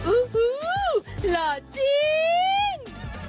อู้หู้หล่อจริง